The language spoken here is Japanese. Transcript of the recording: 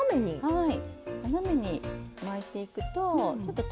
はい。